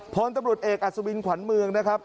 พลตำรวจเอกอัศวินขวัญเมืองนะครับ